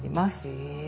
へえ。